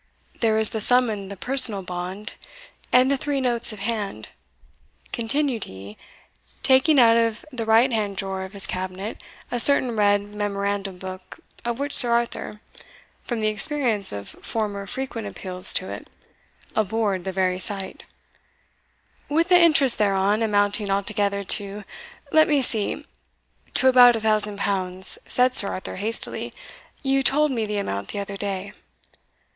There is the sum in the personal bond and the three notes of hand," continued he, taking out of the right hand drawer of his cabinet a certain red memorandum book, of which Sir Arthur, from the experience of former frequent appeals to it, abhorred the very sight "with the interest thereon, amounting altogether to let me see" "To about a thousand pounds," said Sir Arthur, hastily; "you told me the amount the other day."